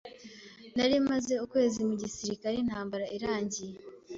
Nari maze ukwezi mu gisirikare intambara irangiye.